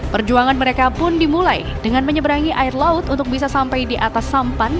perjuangan mereka pun dimulai dengan menyeberangi air laut untuk bisa sampai di atas sampan